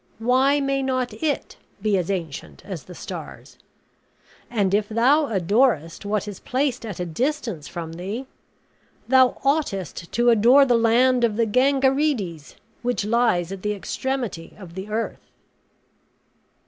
Why may not it be as ancient as the stars? and if thou adorest what is placed at a distance from thee, thou oughtest to adore the land of the Gangarides, which lies at the extremity of the earth."